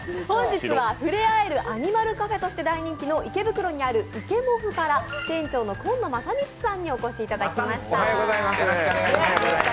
本日は触れ合えるアニマルカフェとして大人気の池袋にある、いけもふから店長の紺野将光さんにお越しいただきました。